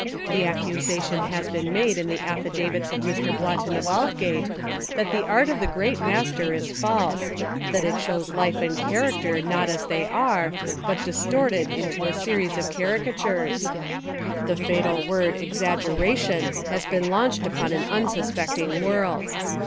The accusation has been made in the affidavits of Mr. Blotton of Aldgate that the art of the Great Master is false: that it shows life and character not as they are but distorted into a series of carica tures. The fatal word 'exaggeration' has been launched upon an unsuspecting world.